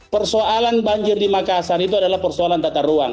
persoalan banjir di makassar itu adalah persoalan tata ruang